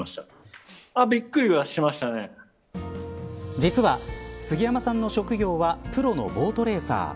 実は杉山さんの職業はプロのボートレーサー。